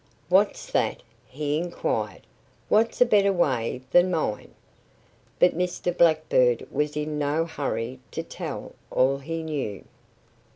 "What's that?" he inquired. "What's a better way than mine?" But Mr. Blackbird was in no hurry to tell all he knew.